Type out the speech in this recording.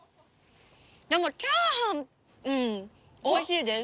「おいしい」。